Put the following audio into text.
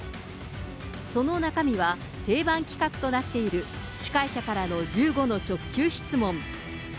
その中身は定番企画となっている、司会者からの１５の直球質問。